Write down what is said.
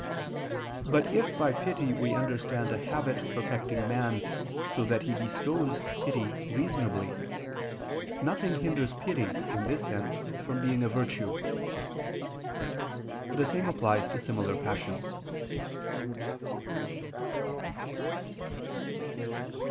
But if by pity we understand a habit perfecting man so that he bestows pity reasonably, nothing hinders pity, in this sense, from being a virtue. The same applies to similar passions.